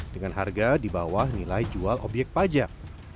dengan harga di bawah nilai jual obyek pajak